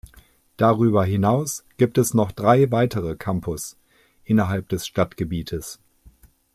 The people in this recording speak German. Darüber hinaus gibt es noch drei weitere Campus innerhalb des Stadtgebietes.